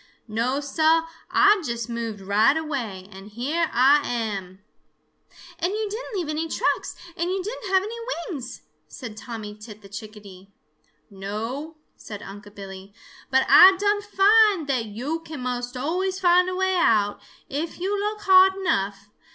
No, Sah, Ah just moved right away, and here Ah am." "And you didn't leave any tracks, and you didn't have any wings," said Tommy Tit the Chickadee. "No," said Unc' Billy, "but Ah done find that yo' can most always find a way out, if yo' look hard enough.